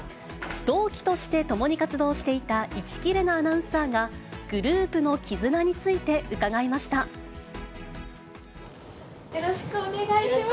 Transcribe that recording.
同期として共に活動していた市來玲奈アナウンサーが、よろしくお願いします。